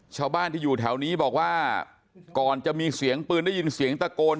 ชาวบ้านที่อยู่แถวนี้บอกว่าก่อนจะมีเสียงปืนได้ยินเสียงตะโกน